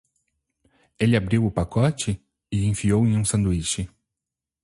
Ele abriu o pacote? e enfiou em um sanduíche.